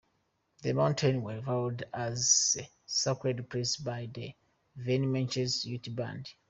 The mountains were valued as a sacred place by the Weeminuche Ute band.